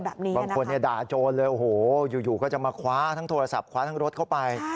บางคนด่าโจรเลยโอ้โหอยู่ก็จะมาคว้าทั้งโทรศัพท์คว้าทั้งรถเข้าไป